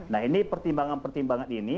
nah ini pertimbangan pertimbangan ini